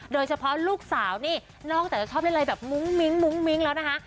โดยเฉพาะลูกสาวนี่นอกแต่ชอบเล่นอะไรแบบมุ้งมิ้งแล้วนะฮะ